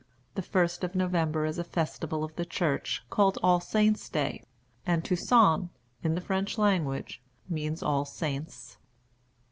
The first of November is a festival of the church, called All Saints' Day; and Toussaint, in the French language, means All Saints.